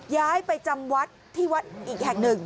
ย้ายไปจำวัดที่วัดอีกแห่งหนึ่ง